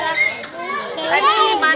sebelumnya pernah main itu belum